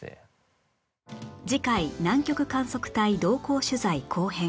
次回南極観測隊同行取材後編